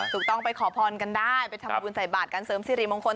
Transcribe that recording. ถูกต้องไปขอพรกันได้ไปทำบุญใส่บาทกันเสริมสิริมงคล